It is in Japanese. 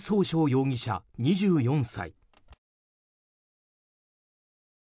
容疑者、２４歳。